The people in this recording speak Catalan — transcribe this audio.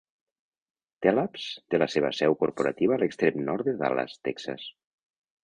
Tellabs té la seva seu corporativa a l'extrem nord de Dallas, Texas.